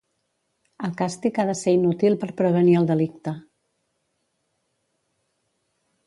El càstig ha de ser inútil per prevenir el delicte.